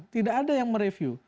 tidak ada yang mereview